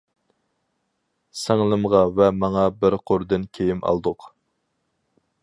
سىڭلىمغا ۋە ماڭا بىر قۇردىن كىيىم ئالدۇق.